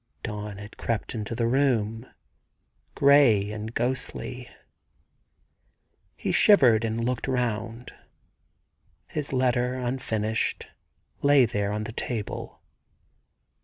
Dawn had crept into the room, grey and ghostly. He shivered and looked round. His letter, unfinished, lay there on the table.